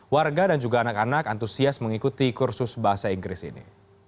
warga dan juga anak anak antusias mengikuti kursus bahasa inggris ini